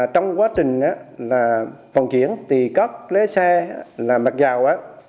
trong quá trình phòng chuyển tỷ góc lấy xe mặt dầu